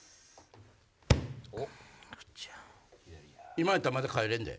今やったらまだ替えれんで。